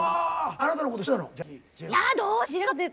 あなたのこと知ってたの？